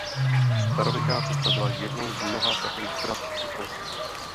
Starověká cesta byla jednou z mnoha takových tras v Tyrolsku.